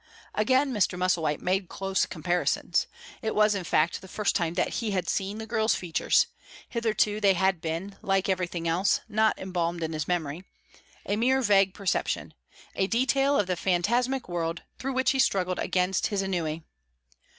Again Mr. Musselwhite made close comparison. It was, in fact, the first time that he had seen the girl's features; hitherto they had been, like everything else not embalmed in his memory, a mere vague perception, a detail of the phantasmic world through which he struggled against his ennui.